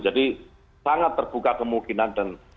jadi sangat terbuka kemungkinan